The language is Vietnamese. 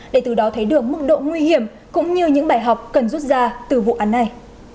để từ đó thấy được mức độ nguy hiểm cũng như những bài học cần rút ra từ vụ án này